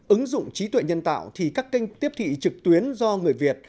ứng dụng trí tuệ nhân tạo thì các kênh tiếp thị trực tuyến do người việt